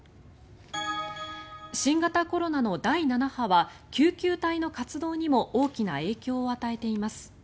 新型コロナの第７波は救急隊の活動にも大きな影響を与えています。